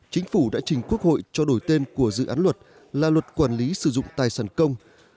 chính phủ đã trình quốc hội cho đổi tên của dự án luật là luật quản lý sử dụng tài sản công